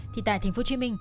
thì tại tp hcm